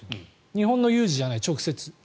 日本の有事じゃない、直接は。